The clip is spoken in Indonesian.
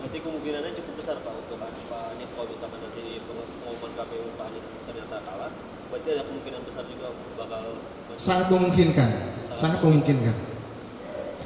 berarti kemungkinannya cukup besar pak untuk anies